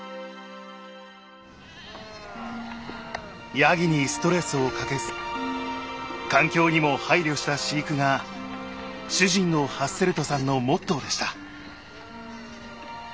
やぎにストレスをかけず環境にも配慮した飼育が主人のハッセルトさんのモットーでした。